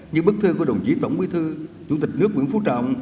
như bức thư của đồng chí tổng bí thư chủ tịch nước nguyễn phú trọng